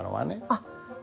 あっ。